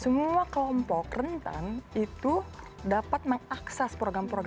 semua kelompok rentan itu dapat menghasilkan program yang seluruh pemerintah punya